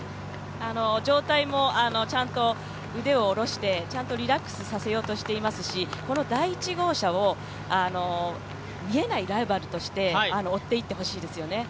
上体も腕をちゃんと下ろしてリラックスさせようとしていますしこの第１号車を見えないライバルとして追っていってほしいですね。